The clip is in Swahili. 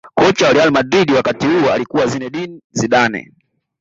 kocha wa real madrid wakati huo alikuwa zinedine zidane